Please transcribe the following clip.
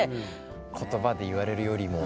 言葉で言われるよりも。